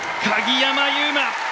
鍵山優真